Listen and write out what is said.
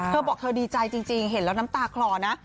เธอบอกเธอดีใจจริงเห็นแล้วน้ำตาคลอนะ